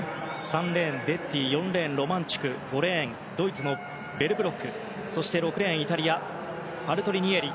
３レーン、デッティ４レーン、ロマンチュク５レーン、ドイツのベルブロックそして６レーン、イタリアのパルトリニエリ。